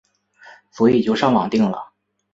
所以就上网订了